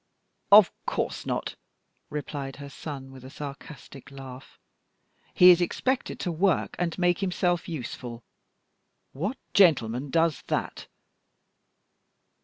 "Of course not," replied her son, with a sarcastic laugh; "he is expected to work and make himself useful. What gentleman does that?"